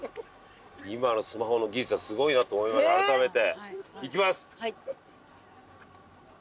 今のスマホの技術はすごいなと思いながら改めて。いきます。